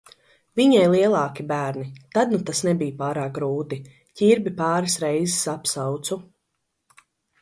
Viņai lielāki bērni, tad nu tas nebija pārāk grūti, Ķirbi pāris reizes apsaucu.